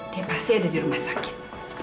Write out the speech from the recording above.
dia pasti ada di rumah sakit